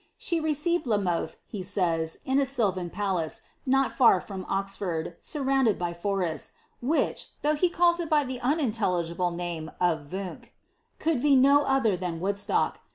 She received La Mothe, he says, in a sylvan palace, not far from Oxford, snrrounded by forests, which, though he calls it by the unin telligible name of Vuynck^ could be no other than Woodstock.